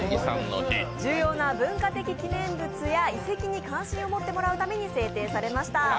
重要な文化的記念物や遺跡に関心を持ってもらうために制定されました。